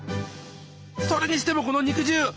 それにしてもこの肉汁。